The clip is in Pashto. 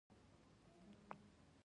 دا بسته د ګمرک ګڼه غواړي.